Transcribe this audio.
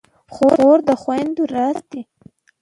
خور د خویندو راز ساتي.